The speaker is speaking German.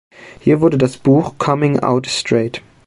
Hier wurde das Buch "Coming out Straight.